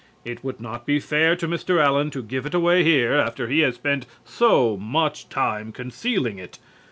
It would not be fair to Mr. Allen to give it away here after he has spent so much time concealing it.